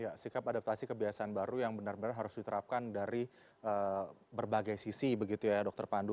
ya sikap adaptasi kebiasaan baru yang benar benar harus diterapkan dari berbagai sisi begitu ya dokter pandu